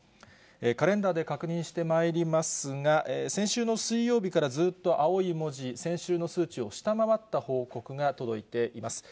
カレンダーで確認してまいりますが、先週の水曜日からずーっと青い文字、先週の数値を下回った報告が届いています。